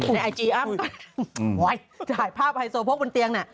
ในไอจีอ้ำก็หายภาพไฮโซโพกบนเตียงน่ะ